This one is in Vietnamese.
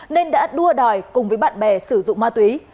nên đã đua đòi cùng với bạn bè sử dụng ma túy